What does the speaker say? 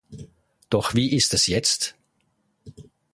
Doch wie ist es jetzt?